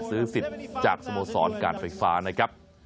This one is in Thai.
ซื้อ๑๐จากสมสรรค์การไฟฟ้านะครับ